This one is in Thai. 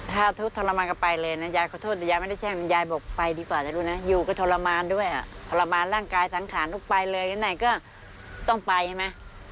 ถ้าทุกข์ทรมานก็ไปเลยนะยายขอโทษแต่ยายไม่ได้แช่งยายบอกไปดีกว่าจะรู้นะอยู่กับทรมานด้วยทรมานร่างกายสังขารทุกไปเลยไหนก็ต้องไปใช่ไหม